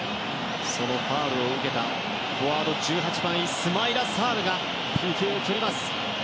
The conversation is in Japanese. そのファウルを受けたフォワード、１８番イスマイラ・サールがＰＫを蹴ります。